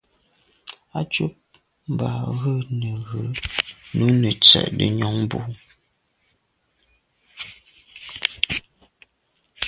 Á cúp mbɑ̄ rə̌ nə̀ rə̀ nǔ nə̄ tsə́’də́ nyɔ̌ŋ bú.